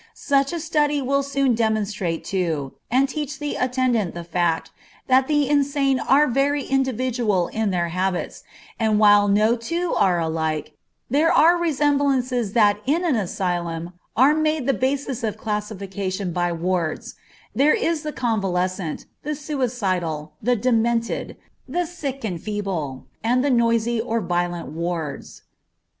Such a study will soon demonstrate to, and teach the attendant the fact, that the insane are very individual in their habits, and while no two are alike, there are resemblances that in an asylum are made the basis of classification by wards: there is the convalescent, the suicidal, the demented, the sick and feeble, and the noisy or violent wards.